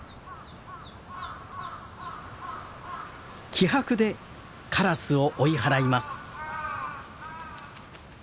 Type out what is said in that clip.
気迫でカラスを追い払います。